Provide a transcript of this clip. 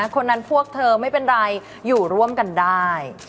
คนนั้นพวกเธอไม่เป็นไรอยู่ร่วมกันได้